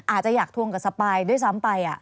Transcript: อาจจะอยากทวงกับสปายด้วยซ้ำไป